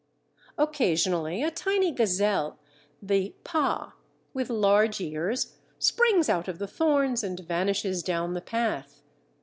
Occasionally a tiny gazelle, the "paa," with large ears, springs out of the thorns and vanishes down the path.